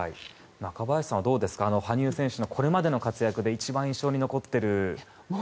中林さん、どうですか羽生選手のこれまでの活躍で一番印象に残っているのは。